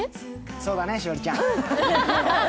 そうだね、栞里ちゃん。